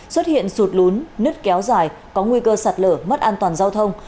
xuất hiện sụt lún nứt kéo dài có nguy cơ sạt lở mất an toàn giao thông